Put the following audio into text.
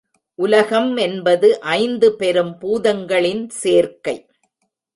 உலகம் என்பது ஐந்து பெரும் பூதங்களின் சேர்க்கை.